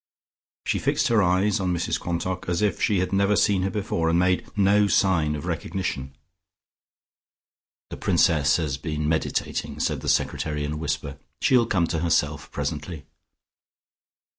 She fixed her eyes on Mrs Quantock, as if she had never seen her before, and made no sign of recognition. "The Princess has been meditating," said the secretary in a whisper. "She'll come to herself presently."